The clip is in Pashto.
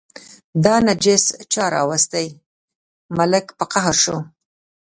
دا نجس چا راوستی، ملک په قهر شو.